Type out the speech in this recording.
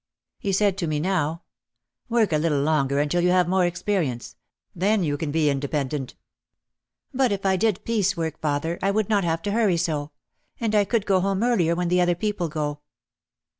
He said to me now, "Work a little longer until you have more experience; then you can be independent.' ' "But if I did piece work, father, I would not have to hurry so. And I could go home earlier when the other people go."